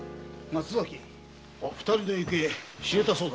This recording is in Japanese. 二人の行方知れたそうだな。